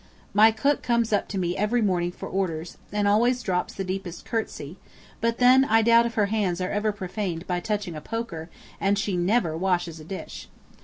My cook comes up to me every morning for orders, and always drops the deepest curtsey, but then I doubt if her hands are ever profaned by touching a poker, and she never washes a dish.